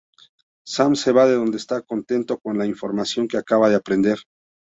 Sam se va de donde está contento con la información que acaba de aprender.